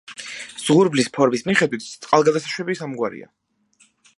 ზღურბლის ფორმის მიხედვით წყალგადასაშვები სამგვარია.